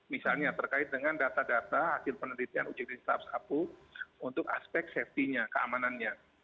misalnya terkait dengan data data hasil penelitian uji klinis tahap satu untuk aspek safety nya keamanannya